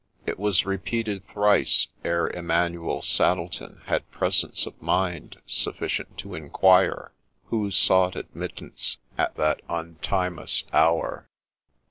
It was repeated thrice ere Emmanuel Saddleton had presence of mind sufficient to inquire who sought admittance at that untimeous hour.